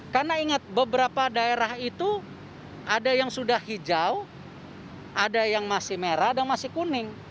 karena ingat beberapa daerah itu ada yang sudah hijau ada yang masih merah dan masih kuning